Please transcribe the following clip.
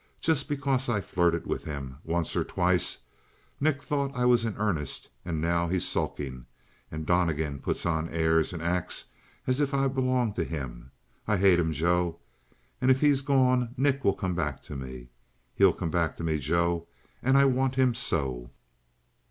Just because I flirted with him once or twice, Nick thought I was in earnest and now he's sulking. And Donnegan puts on airs and acts as if I belonged to him. I hate him, Joe. And if he's gone Nick will come back to me. He'll come back to me, Joe; and I want him so!"